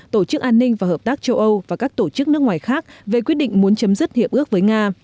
tổ chức an ninh và hợp tác châu âu và các tổ chức nước ngoài khác về quyết định muốn chấm dứt hiệp ước với nga